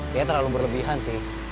dia terlalu berlebihan sih